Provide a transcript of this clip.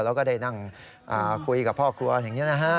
แล้วก็ได้นั่งคุยกับพ่อครัวอย่างนี้นะฮะ